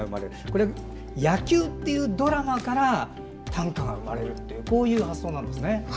これは野球というドラマから短歌が生まれるというこういう発想なんですね。